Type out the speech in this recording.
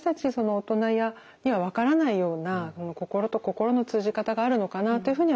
大人には分からないような心と心の通じ方があるのかなというふうには思ってます。